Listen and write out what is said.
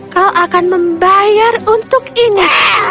kau akan membayar untuk ini